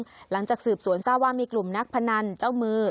จำจากสืบสวนสร้างวังมีกลุ่มนักภาษาหนันเจ้ามือ